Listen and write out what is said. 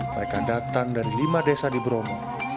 mereka datang dari lima desa di bromo